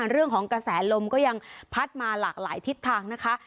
เรื่องของกระแสลมก็ยังพัดมาหลากหลายทิศทางนะคะ